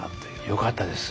よかったです。